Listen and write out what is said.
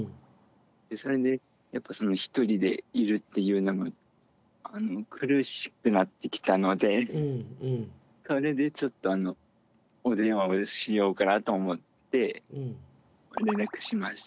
それでやっぱその１人でいるっていうのが苦しくなってきたのでそれでちょっとあのお電話をしようかなと思って連絡しました。